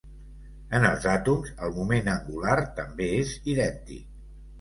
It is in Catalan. En els àtoms el moment angular també és idèntic.